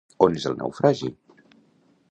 On és el naufragi?